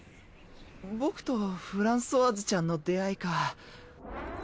僕とフランソワーズちゃんの出会いか。